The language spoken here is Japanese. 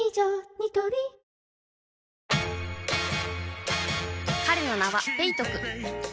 ニトリ彼の名はペイトク